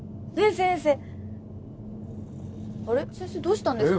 先生あれ先生どうしたんですか？